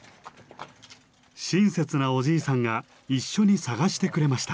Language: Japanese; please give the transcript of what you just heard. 親切なおじいさんが一緒に探してくれました。